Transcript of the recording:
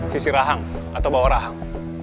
sisi rahang atau bawa rahang